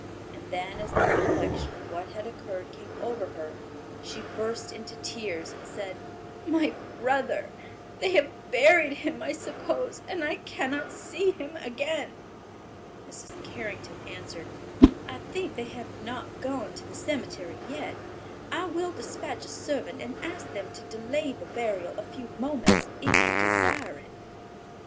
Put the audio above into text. And then as the recollection of what had occurred came over her, she burst into tears and said, "My brother—they have buried him, I suppose, and I cannot see him again." Mrs. Carrington answered, "I think they have not gone to the cemetery yet. I will dispatch a servant and ask them to delay the burial a few moments, if you desire it."